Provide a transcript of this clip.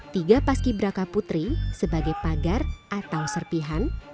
tiga paski beraka putri sebagai pagar atau serpihan